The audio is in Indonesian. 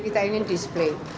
kita ingin disepak